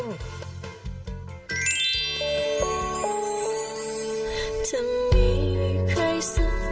โอ้โฮดูสิคะคุณชนะ